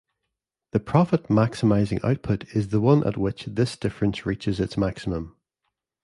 The profit-maximizing output is the one at which this difference reaches its maximum.